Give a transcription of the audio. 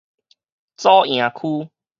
左營區